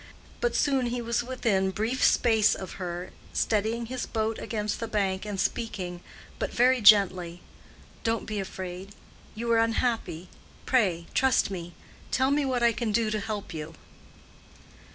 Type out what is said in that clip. But soon he was within brief space of her, steadying his boat against the bank, and speaking, but very gently, "Don't be afraid. You are unhappy. Pray, trust me. Tell me what I can do to help you."